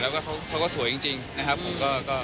เดี๋ยวสังครามใหล่เพราะใส่แล้วเขาก็สวยจริงนะครับผม